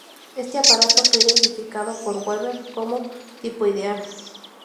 Este aparato fue identificado por Weber como "tipo ideal".